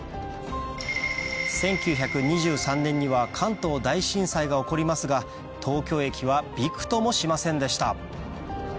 １９２３年には関東大震災が起こりますが東京駅はびくともしませんでした